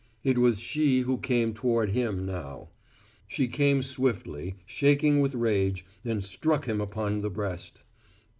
It was she who came toward him now. She came swiftly, shaking with rage, and struck him upon the breast.